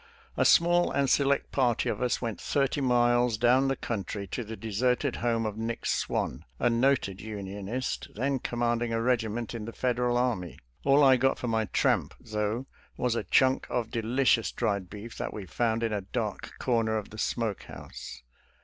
♦♦•^ small and select party of us went thirty miles down the country SOME "ESCAPE" STORIES 197 to the deserted home of Nick Swann, a noted Unionist then commanding a regiment in the Federal Army. All I got for my tramp, though, was a chunk of delicious dried beef that we found in a dark corner of the smoke house.